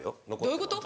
・どういうこと？